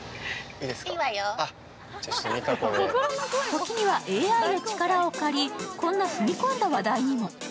ときにはＡＩの力を借りこんな踏み込んだ話題にも。